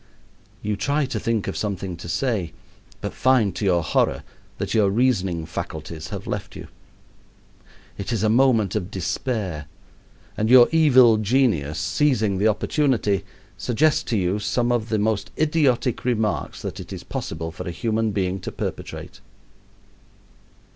You try to think of something to say, but find, to your horror, that your reasoning faculties have left you. It is a moment of despair, and your evil genius, seizing the opportunity, suggests to you some of the most idiotic remarks that it is possible for a human being to perpetrate.